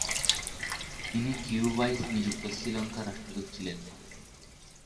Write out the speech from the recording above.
তিনি কিউবায় নিযুক্ত শ্রীলঙ্কার রাষ্ট্রদূত ছিলেন।